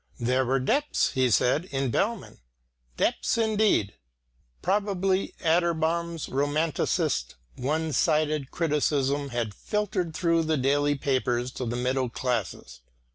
There were depths, he said, in Bellmann. Depths indeed! Probably Atterbom's romanticist one sided criticism had filtered through the daily papers to the middle classes.